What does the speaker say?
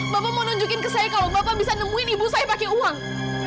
bapak mau nunjukin ke saya kalau bapak bisa nemuin ibu saya pakai uang